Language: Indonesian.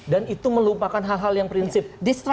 dan itu melupakan hal hal yang prinsip